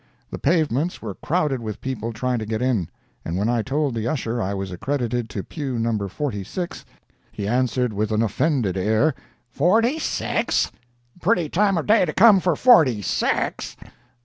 The pavements were crowded with people trying to get in, and when I told the usher I was accredited to pew No. 46, he answered with an offended air: "Forty six!—pretty time of day to come for forty six!